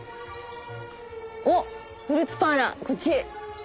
おっ「フルーツパーラー」こっち。